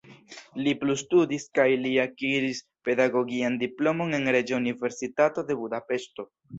Li plustudis kaj li akiris pedagogian diplomon en Reĝa Universitato de Budapeŝto.